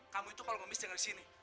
kamu itu kalau ngemis tinggal di sini